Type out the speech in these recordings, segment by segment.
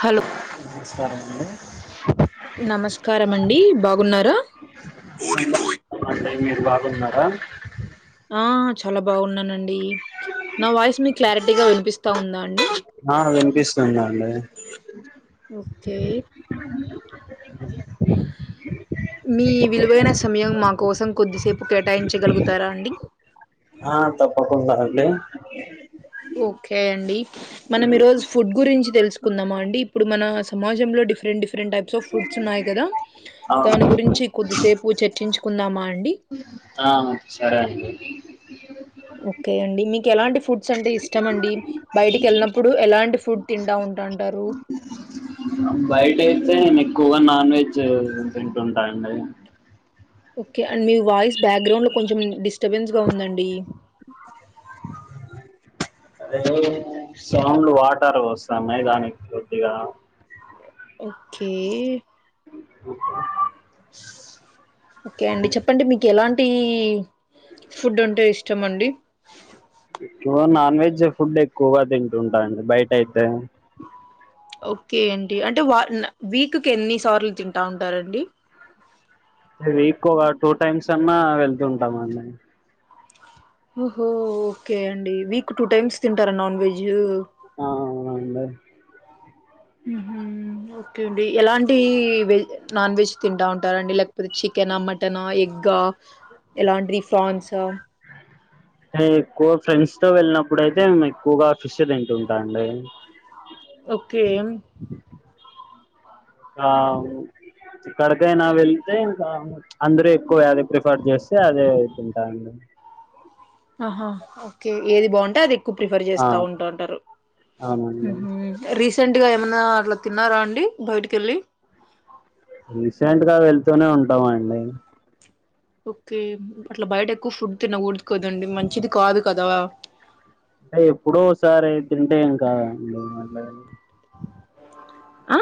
Hello నమస్కారం అండి నమస్కారం అండి బాగున్నార [unintelligible] మీరు బాగున్నార ఆ చాలా బాగున్నానండి నా వాయిస్ మీకు క్లారిటీగ వినిపిస్తా ఉందా అండి ఆ విన్పిస్తుందండి ఓకే అ మీ విలువైన సమయం మా కోసం కొద్దిసేపు కేటాయించగలుగుతారా అండి హ తప్పకుండా అండి ఓకే అండి మనం ఈరోోజు ఫుడ్ గురించి తెలుసుకుందామా అండి ఇప్పుడు మన సమాజంలో లో different different types of food స్ ఉన్నాయి కదా ఆ దాని గురించి కొద్దిసేపు చర్చించుకుందామా అండి ఆహ సరే అండి ఓకే అండి మీకు ఎలాంటి ఫుడ్స్ అంటే ఇష్టం అండి బయటికి వెళ్ళినప్పుడు ఎలాంటి ఫుడ్ తింటా ఉంటాంటారు బయట అయితే నేను ఎక్కువగా నాన్ వెజ్ తింటు ఉంటాను అండి ఓకే అండ్ మీ వాయిస్ బ్యాక్గ్రౌండ్ లో కొంచెం డిస్టర్బెన్స్ గా ఉందండి అదే సౌండ్లు వాటర్ వస్తుాన్నాయి దానికి కొద్దిగా ఓకే ఓకే అండి చెప్పండి మీకు ఎలాంటి ఫుడ్ ఉంటే ఇష్టం అండి క్కువ నాన్ వెజ్ ఫుడ్ ఎక్కువగా తింటు ఉంటానండి బయట అయితే ఓకే అండి అంటే వన్ వీక్కి ఎన్ని సార్లు తింటా ఉంటారండి వీక్ ఒక టూ టైమ్స్ అన్నా వెళ్తుంటాం అండి ఓహో ఓకే అండి వీక్ టూ టైమ్స్ తింటారా నాన్ వెజ్ ఆ అవునండి ఓకే అండి ఎలాంటి వెజ్ నాన్ వెజ్ తింటా ఉంటారంండి లేకపోతే చికె కెనా మటన ఎగ్ ఆ ఎలాంటిది ఫ్రాన్స అ ఎక్కువ ఫ్రెండ్స్ తో వెళ్ళినప్పుడు అయితేే ఎక్కువగా ఫిష్ షె తింటు ఉంటా అండి ఓకే ఇకా ఎక్కడికైనా వెల్తే ఇంకా అందరుూ ఎక్కువేది ప్రిఫర్ చేస్తే అదే తింటా అండి అహా ఓకే ఏది బాగుంటే అది ఎక్కువ ప్రిఫర్ ఆ చేస్తా ఉంటాంటారు అవునండి రీసెంట్గా ఏమన్నా అట్ల తిన్నారా అండి బయటికి వెళ్ళి రీసెంట్ గా వెళ్తూనే ఉంటాం అండి ఓకే అట్ల బయటకు ఎక్కువ ఫుడ్ తినకూడదు కదండి మంచిది కాదు కదా అంటే ఎప్పుడో ఒకసారి తింటే ఏం కాదండి మాట్డ ఆ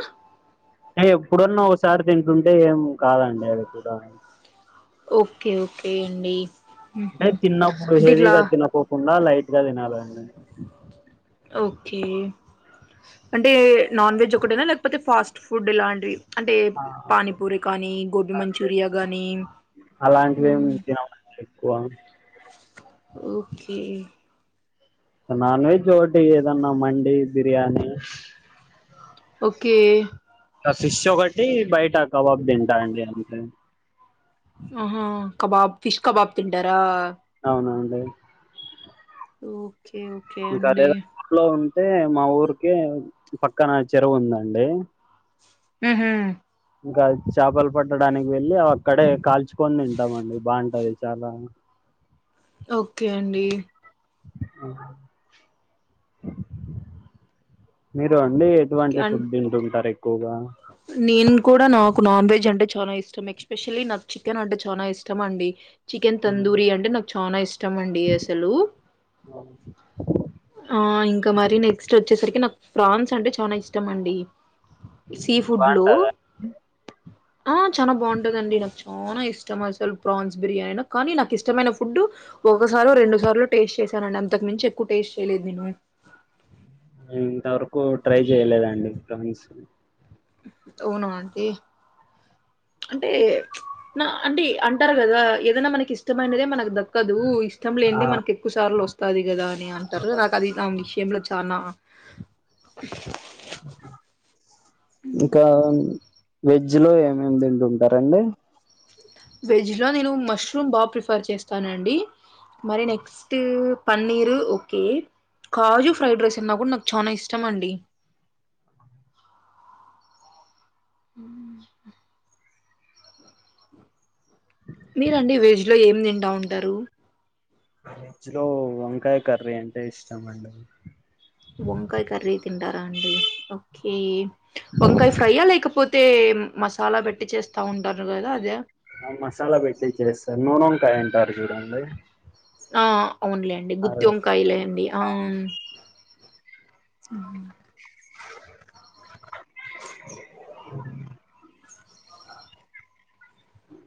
అంటే ఎప్పుడన్న ఒకసారి తింటుంటే ఏం కాదండి అది కూడా ఓకే ఓకే అండి అంటే ఉహు తిన్నప్పుడు అంటే ఇట్లా హెవీగ తినకోకుండా లైట్ గా తినాలండి ఓకే అంటే నాన్ వెజ్ ఒకటేన. లేకపోతే ఫాస్ట్ ఫుడ్ ఇలాంటివి అంటే ఆ పానీపూరి కానీ గోబీ మంచూరియా కాగానీ అలాంటివి ఏం తినమండి ఎక్కువ ఓకె నాన్ వెజ్ ఓటి ఏదన్నా మండి బిర్యానీ. ఓకే గా ఫిష్ ఒకటి బయట కవాబ్ తింటా అండి అంతే. ఆహా కబాబ్. ఫిష్ కబాబ్ తింటరా. అవునా అండి. Okay okay. ఇంకా అండి అదేదాంట్లో ఉంటే మా ఊరికే పక్కన చెరువుందండి. ఊహు ఇంకా చాపలు పట్టడానికి వెళ్ళి. అక్కడే కాల్చుకొని తింటామండి. బాగుంటది చాలా ఓకే అండి. మీరు అండి. ఎటువంటి అండ్ ఫుడ్ తింటుంటారు ఎక్కువగా. నేను కూడా. నాకు నాన్ వెజ్ అంటే చాలా ఇష్టం. ఎక్స్పెషల్లీ నాకు. చికెన్ అంటే చానా ఇష్టం అండి. చికెన్ హ్మ్. తందూరి అంటే నాకు చానా ఇష్టం అండి అసలు. ఆ [unintelligible] ఆ ఇంకా మరి నెక్స్ట్ వచ్చేసరికి నాకు ఫ్రాన్స్ అంటే చానా ఇష్టం అండి. సీ ఫుడ్లు. బాగుంటదా ఆ చానా బాగుంటదండి నాకు. చానా ఇష్టం అసలు ప్రాన్స్ బిర్యానీ కానీ నాకు ఇష్టమైన ఫుడ్. ఒకసారు రెండు సార్లు టేస్ట్ చేశానండి అంతకు మించి ఎక్కువ టేస్ట్ చేయలేదు నేను. నేను ఇంతవరకు ట్రై చేయలేదండి ఫ్రాన్స్. అవునా ఆంటీ. అంటే నా అంటే అంటారు కదా. ఏదైనా మనకి ఇష్టమైనదే మనకు దక్కు. కదు ఇష్టం ఆ లేనిది మనకి ఎక్కువ సార్లు వస్తాది కదా. అని అంటారుకదా నాకు అది విషయంలో జ. తానా ఇంకా వెజ్ లో ఏమేమ్ తింటూటారండి. వెజ్ లో నేను మష్రూమ్ బాగా ప్రిఫర్ చేస్తానండి. మరి నెక్స్ట్ పన్నీరు ఓకే. కాజు ఫ్రైడ్ రైస్ అన్నా కూడా నాకు చానా ఇష్టం అండి. ఉ [inaudible] మీరండి వెజ్ లో ఏం తింటా ఉంటారు. వెజ్ లో వంకాయ కర్రీ అంటే ఇష్టం అండి. వంకాయ కర్రీ తింటారా అండి ఓకే వంకాయ ఫ్రైయా లేకపోతే. లేకపోతే మసాలా పెట్టి చేస్తా ఉంటారు కదా అదా. మసాలా పెట్టి చేస్తారు నూనెంకాయ అంటారు చూడండి. ఆ అవును లేండి గుత్తి అదే వంకాయ. వంకాయ లేండి ఆ.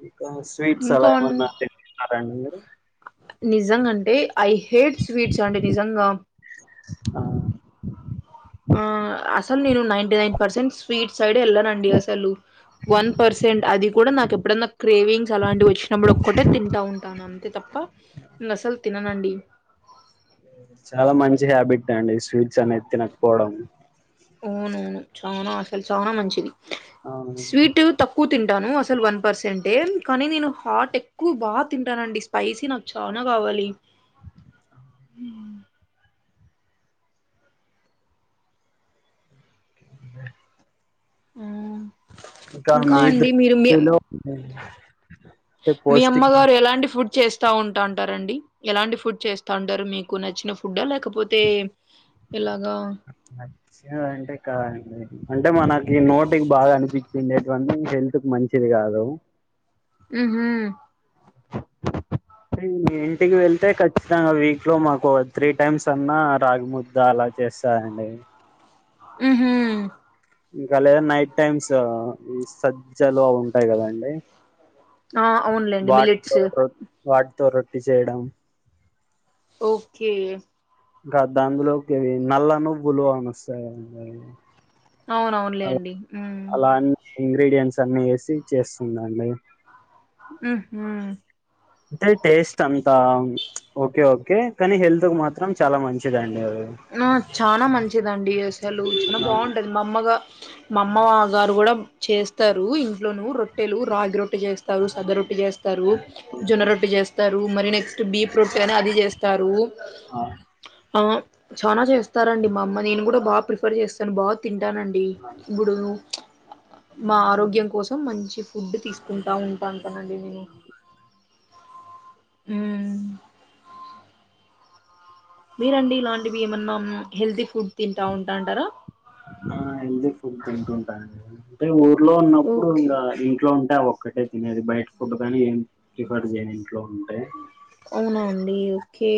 ఇంకా స్వీట్స్ అలా ఇంకా ఏమన్నా తింటారా అండి మీరు. నిజంగా అంటే ఐ హేట్ స్వీట్స్ అండి నిజంగా. ఆ ఆ అసలు నేను నైన్టినైన్ పర్సెంట్ స్వీట్ సైడ్ వెళ్ళనండి అసలు. వన్ పర్సెంట్ అది కూడా నాకు ఎప్పుడన్నా క్రేవింగ్. అలాంటి వచ్చినప్పుడు ఒక్కటే తింటా ఉంటాను. అంతే తప్ప నేను అసలు తిననండి. చాలా మంచి హ్యాబిట్ అండి స్వీట్స్ అనేది తినకపోవడం. అవునవును చానా అసలు చానా మంచిది. అవునండి స్వీట్ తక్కు తింటాను అసలు వన్ పర్సంటే కానీ నేను హాట్ ఎ కు బా తింటానండి స్పైసీ నాకు చానా కావాలి అ ఉ ఇంకా మీ దృష్టిలో అండి మీ అమ్మ గారు ఎలాంటి ఫుడ్ చేస్ త ఉంటా అంటారు అండి ఎలాంటి ఫుడ్ చేస్తా ఉంటారు మీకు నచ్చిన ఫుడ్ ఆ లేకపోతే ఇలాగా నచ్చినది అంటే కాదండి అంటే మనకి నోటికి బాగా అనిపించినేటివి అనీ హెల్త్ కు మంచిది కాదు ఉహూ ఉ ఇంటికి వెళ్తే ఖచ్చితంగా వీక్ లో మాకు త్రీ టైమ్స్ అన్నా రాగీముద్ద అలా చేస్తారండి ఉహు ఇంకా లేదా నైట్ టైమ్స్ ఈ సజ్జలు అవు ఉంటాయి కదండి ఆ అవునులేండి వాటితో మిలిట్స్ రో వాటితో రొట్టి చేయడం ఓకే ఇంకా దాంలోకి నల్ల నువ్వులు అనీ వస్తాయి అండి అవునవునులే అండి అలాన్ ఇంగ్రీడియంట్స్ అన్ని ఏసి చేస్తుందండి ఉహు అంటే టేస్ట్ అంతా ఓకే ఓకే కానీ హెల్త్ కు మాత్రం చాలా మంచిదండి అవి ఆ చానా మంచిదండి అసలు చాలా ఆ, బాగుంటది మా అమ్మగా మా అమ్మవ గారు గుడా చేస్తారు ఇంట్లోనూ రొట్టెలు రాగి రొట్టె చేస్ తారు సద రొట్టి చేస్తారు జొన్న రొట్టి చేస్ స్తారు మరి నెక్స్ట్ బి ప్రోట్టె అని అది చేస్తారు ఆ, ఆ చనా చేస్తారంండి మా అమ్మ నేను కూడా బా ప్రిఫర్ చేస్తాను బా తింటాన డి ఇభూడు మా ఆరోగ్యం కోసం మంచి ఫుడ్ తీసుకుంటా ఉంటవు పంపనండి నేను ఉ మీరండి ఇలాంటివి ఏమన్నా హెల్తీ ఫుడ్ తింటా ఉంటా అంటారా ఆ హెల్తీ ఫుడ్ తింటుంటా అండి అంటే ఊర్లో ఉన్నప్పుడు ఓకే ఇంకా ఇంట్లో ఉంటే అవి ఒక్కటే తినేది బైట్ ఫుడ్ కానీ ఏం ప్రిఫర్ చేయను ఇంట్లో ఉంటే అవునాండి ఓకే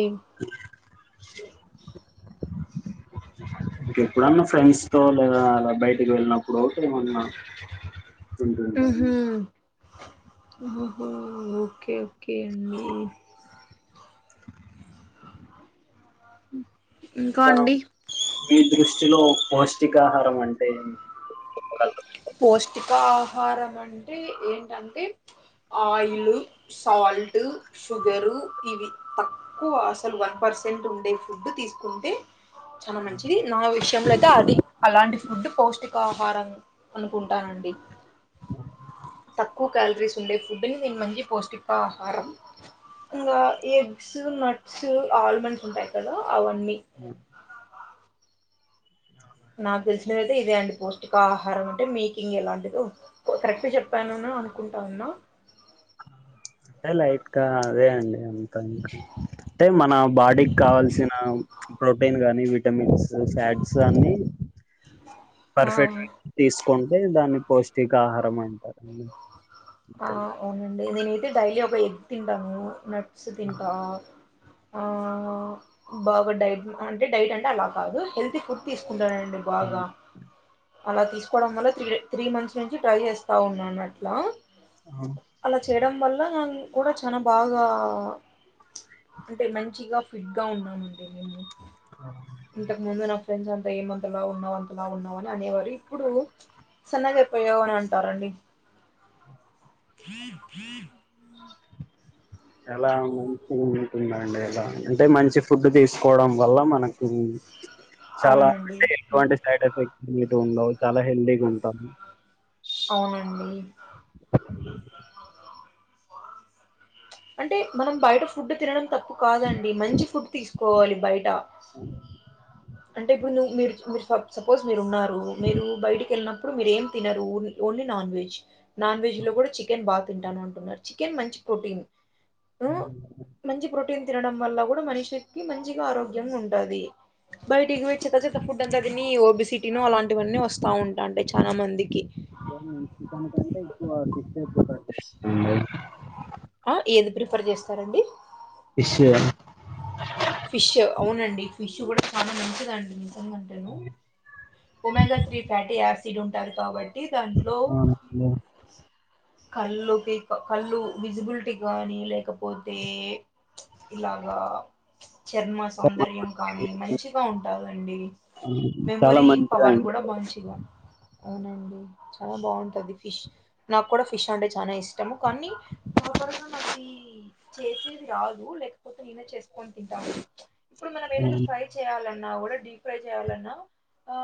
ఇంకే ఎప్పుడన్నా ఫ్రెండ్స్ తో లేదా అలా బయటికి వెళ్ళినప్పుడు ఒకటి ఏమన్నా ఉంటది ఉహు ఓహో ఓకే ఓకే అండి ఇంకా అండి మీ దృష్టిలో పౌష్టికాహారం అంటే చెప్పగలరా పౌష్టిక ఆహారం అంటే ఏంటంటే ఆయిలు సాల్టు షుగరు ఇవి తక్కువ అసలు వన్ పర్సెంట్ ఉండే ఫుడ్డు తీసుకుంటే చానా మంచిది నా విషయంలో అయితే అది అలాంటి ఫుడ్ పౌష్టికా ఆహారం అనుకుంటానండి తక్కు క్యాలరీస్ ఉండే ఫుడ్ని ఇంగా మంచి పౌష్టికాహారం ఇంగా ఎగ్స్ నట్స్ ఆల్మండ్స్ ఉంటాయి కదా అవన్నీ అ అహా నాకు దెల్సినవైతే ఇదే అండి పౌష్టికా ఆహారం అంటే మీకింగ్ ఎలాంటిదో ఓ కరెక్ట్ చెప్పానను అనుకుంటా ఉన్నా అంటే లైట్గా అదే అండి అంతా ఇంక అంటే మన బాడీకి కావాల్సిన ప్రోటీన్ గానీ విటమిన్సు ఫ్యాట్స్ అన్ని ఆ పర్ఫెక్ట్ తీస్కొంటే దాన్ని పౌష్టికాహారం అంటారండి. ఆ అంతే అవునండి నేనైతే డైలీ ఒక ఎగ్ తింటాను నట్స్ తింటా ఆ ఆ బాగా డైట్ అంటే డైట్ అంటే అలా కాదు హెల్తీ ఫుడ్ తీస్కుంటానండి బాగా అలా తీస్కోవడం వల్ల త్రీ త్రీ మంత్స్ నుంచి ట్రై చేస్తా ఉన్నాను అట్లా అలా చేయడం వల్ల నాన్ కూడా చానా బాగా అంటే మంచిగా ఫిట్గా ఉన్నామండి మేము ఆ ఇంతకు ముందర నా ఫ్రెండ్ అంతా ఏమంతలావు ఉన్నావు అంతలావ్ ఉన్నావు అని అనేవారు ఇప్పుడూ చిన్నగా అయిపోయావు అని అంటారండి. అ ఫ్రీ ఫ్రీ అంటే మంచి ఫుడ్ తీస్పిల్కోవడం వల్ల మనకు అ చాలా అంటే ఎటువంటి సైడ్ ఎఫెక్ట్ అనేటివ్ ఉండవు చాలా హెల్దిగుంటం అవునండి అంటే మనం బైట ఫుడ్ తినడం తప్పు కాదండి మంచి ఫుడ్ తీస్ కోవాలి బైట అంటే ఇప్పుడు ను మీరు మీరు సపోజ్ మీరు ఉన్నారు మీరు బైటికెల్లినప్పుడు మీరు ఏం తినరూ only non veg, non veg లో గూడా చికెన్ బా తింటాను అంటున్నారు చికెన్ మంచి ప్రోటీన్ అ మంచి ప్రోటీన్ తినడం వల్ల గూడా మనిషిక్కి మంచిగా ఆరోగ్యంగా ఉంటదీ. బైటివోయి చేత్త చేత్త ఫుడ్ అంత దీని ఓబేసిటీనో అలాంటివన్నీ ఒస్తా ఉంటాంటాయి చానా మందికి చికెన్ కంటే ఎక్కువ ఫిషె బేకటిస్ ఆ ఏది ప్రిఫర్ జెస్తారండి. ఫిషూ ఆ ఫిష్ అవునండి ఫిష్ గూడా చానా మంచిదండి నిజంగంటే అ ఒమెంగా త్రీ ఫ్యాటీ ఆయాసిడ్ ఉంటంది కాబట్టి దాంట్లో అవునండి. కళ్ళుకి కళ్ళు విజిబుల్టీక్ గాని లేకపోతే ఇలాగా చర్మ సౌందర్యం కానీ మంచిగా ఉంటందండి చాలా మెమొరీ పవర్ మంచిదండి. అవునండి చాలా బాగుంటది ఫిష్ నాక్ కూడా ఫిష్ అంటే చానా ఇష్టము కానీ చేసేది రాదు లేక్పోతే నేనే చేస్కొని తింటాను ఇప్పుడు మనం ఏదైనా అహా ఫ్రై చేయాలన్నా గూడా డీ ఫ్రై చేయాలన్నా ఆ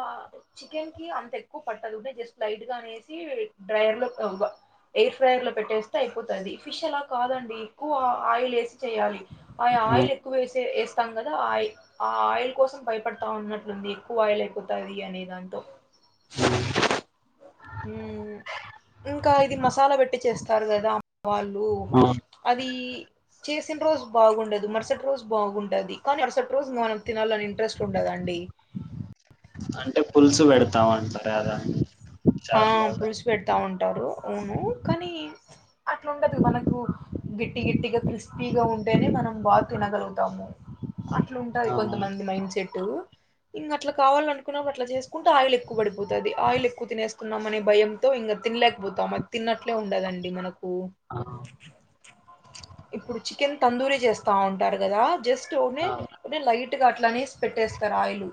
చికెన్ కి అంత ఎక్కువ పట్టదు జస్ట్ లైట్ గా అనేసి డ్రయర్ లో వ ఎయిర్ ఫ్రైయర్ లో పెట్టేస్తే అయిపోతది ఫిష్ అలా కాదండి ఎక్కువ ఆయిల్ వేసి చేయాలి. ఆ ఆయిల్ అవును. ఎక్కువ వేస వేస్తాం కదా ఆయీల్ ఆ ఆయిల్ కోసం భయపడతా ఉన్నట్లుంది ఎక్కువ ఆయిల్ అ పోతది అనే దాంతో ఉమ్ ఇంకా ఇది మసాలా పెట్టి చేస్తారు కదా వాళ్ళు అవును. అది చేసిన రోజు బాగుండదు మరుసటి రోజు బాగుంటది కానీ మరుసటి రోజు మనం తినాలని ఇంట్రెస్ట్ ఉండదండి అంటే పులుసు పెడతాం అంటారు అద ఆ చార్లో పులుసు పెడతా ఉంటారు అవును కానీ అట్లున్డదు మనకు గిట్టి గట్టిగా క్రిస్పీగా ఉంటేనే మనం బాగా తినగలుగుతాము అట్లూంటది అవునా? కొంతమంది మైండ్ సెట్ ఇంక అట్లా కావాల అనుకున్నప్పుడు అట్లా చే కుంటే ఆయిల్ ఎక్కువ పడిపోతుంది ఆయిల్ ఎక్కువ తినేస్తున్నాంమనే భయంతో ఇంకా తినలేకపోతాం తిన్నట్లే ఉండదండి మనకు అవును. ఇప్పుడు చికెన్ తందూరి చేస్తా ఉంటారు కదా జస్ట్ ఓమ్ అవును, అది లైట్ గా అట్లానే పెట్టేస్తారు ఆయిల్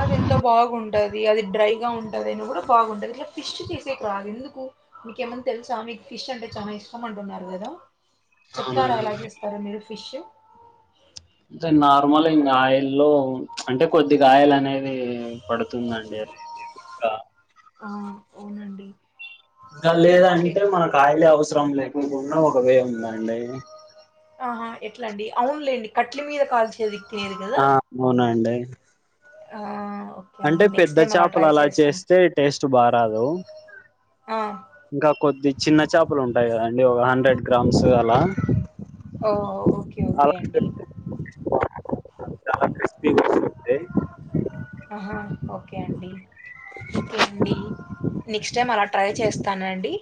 అది ఎంత బాగుంటది అది డ్రైగా ఉంటది అయినా కూడా బాగుంటది. కానీ ఫిష్ చేసేకు రాదు ఎందుకు మీక ఏమన్నా తెలుసా మీకు ఫిష్ అంటే చాలా ఇష్టం అంటున్నారు కదా చెప్తారా ఎలా అవునండి. చేస్తారో మీరు ఫిష్ నార్మల్ ఇంకా ఆయిల్ల్లో అంటే కొద్దిగా ఆయిల్ అనేవి పడుతుందండి అ ఇంకా ఆ అవునండి ఇంకా ఓకే లేదంటే మనకు ఆయిల్ ఏ అవసరం లేకుకుండా ఒక వే ఉందండి ఆహా ఎట్లా అండి అవునులేండి కట్లే మీద కాల్చిది తినేది కదా ఆ అవునండి ఆ అంటే అండి పెద్ద నెక్స్ట్ టైం చేపలు ట్రై అలా చేస్తాను చేస్తే టేస్ట్ బారాదు. ఆ ఇంకా కొద్ది చిన్న చేపలు ఉంటాయి కదండి రెడ్ గ్రామ్స్ అలా ఓ ఓకే అలా ఓకే అండి [unintelligible] చాలా క్రిస్పిగా ఆహా ఓకే అండి ఒకే అండి నెక్స్ట్ టైమ్ అలా ట్రై చేస్తానండి